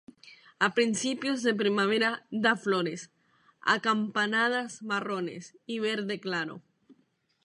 A principios de primavera da flores acampanadas marrones y verde claro.